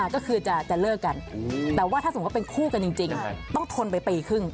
ก็คือจะเลิกกันแต่ว่าถ้าสมมุติเป็นคู่กันจริงต้องทนไปปีครึ่ง